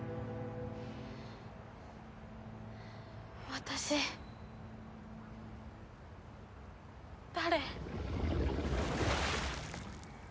私誰？